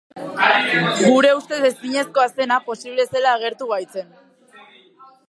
Gure ustez ezinezkoa zena posible zela agertu baitzen.